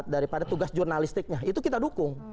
daripada tugas jurnalistiknya itu kita dukung